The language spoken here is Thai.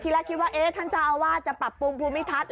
แรกคิดว่าท่านเจ้าอาวาสจะปรับปรุงภูมิทัศน์